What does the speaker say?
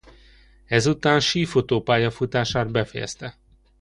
Ezután sífutó pályafutását befejezte.